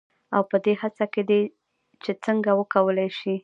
او پـه دې هـڅـه کې دي چـې څـنـګه وکـولـى شـي.